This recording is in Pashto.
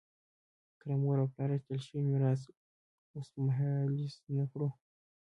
که له مور او پلار اخیستل شوی میراث اوسمهالیز نه کړو.